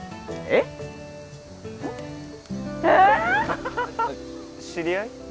えっ知り合い？